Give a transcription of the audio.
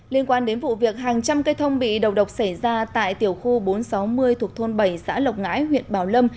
liên quan đến vụ việc hàng trăm cây thông bị đầu độc xảy ra tại tiểu khu bốn trăm sáu mươi thuộc thôn bảy xã lộc ngãi huyện bảo lâm